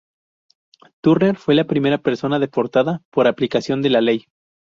Turner fue la primera persona deportada por aplicación de la ley.